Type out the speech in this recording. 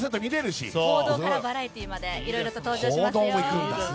報道からバラエティーまで、いろいろ登場しますよ。